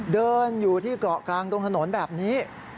เดินอยู่ที่เกาะกลางตรงถนนแบบนี้